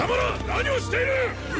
何をしている！